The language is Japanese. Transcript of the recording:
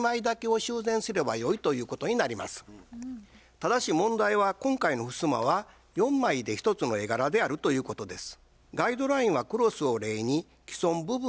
ただし問題は今回のふすまは４枚で１つの絵柄であるということです。